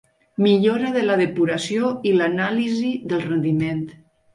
Millora de la depuració i l’anàlisi del rendiment.